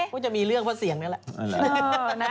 ก็จะมีเรื่องเพราะเสียงนี่แหละ